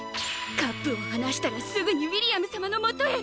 カップを離したらすぐにウィリアム様のもとへ。